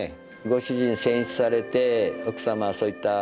ご主人戦死されて奥様そういったねえ